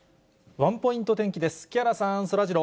ワンポイント天気です。